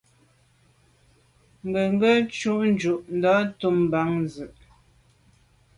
Ke ghù jujù dun ntùm bam se.